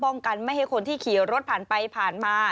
กันไม่ให้คนที่ขี่รถผ่านไปผ่านมา